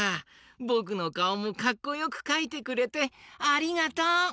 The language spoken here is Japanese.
ぼくのかおもかっこよくかいてくれてありがとう！